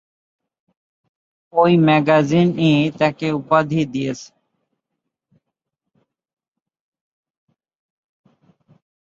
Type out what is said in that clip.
ঐ ম্যাগাজিন ই তাকে উপাধিটি দিয়েছে।